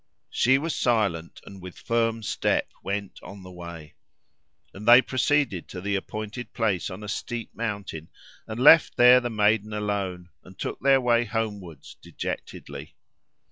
She was silent, and with firm step went on the way. And they proceeded to the appointed place on a steep mountain, and left there the maiden alone, and took their way homewards dejectedly.